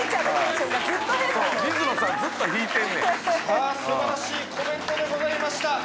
さあ素晴らしいコメントでございました。